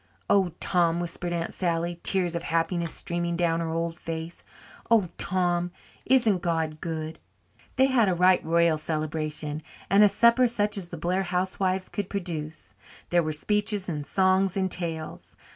"Oh, Tom," whispered Aunt Sally, tears of happiness streaming down her old face, "oh, Tom, isn't God good?" They had a right royal celebration, and a supper such as the Blair housewives could produce. There were speeches and songs and tales.